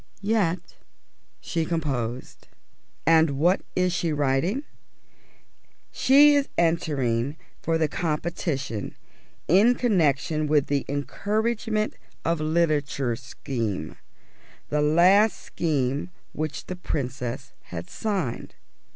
Yet she composed. And what is she writing? She is entering for the competition in connection with the Encouragement of Literature Scheme: the last scheme which the Princess had signed.